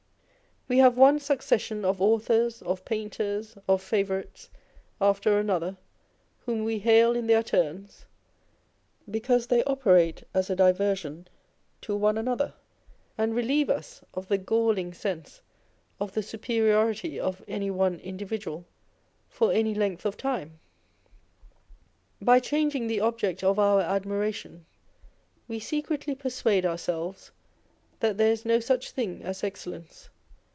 We have one succession of authors, of painters, of favourites, after another, whom we hail in their turns, because they operate as a diversion to one another, and relieve us of the galling sense of the superiority of any one individual for any length of time. By changing the object of our admiration, we secretly persuade ourselves that there is no such thing as excellence.